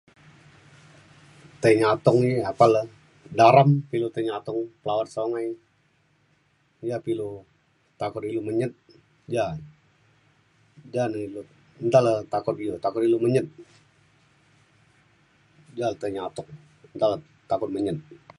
tai nyatong e apan le daram pe ilu tai nyatong lawat sungai ja pe ilu takut ilu menyet ja na. ja na ilu nta le takut iu takut ilu menyet. ja tai nyatong nta le takut menyet.